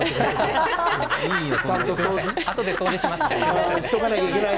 あとで掃除します。